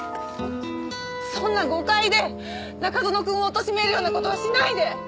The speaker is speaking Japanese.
そんな誤解で中園くんをおとしめるような事はしないで！